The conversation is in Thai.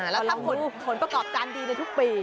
แล้วถ้าผลประกอบการดีในทุกปี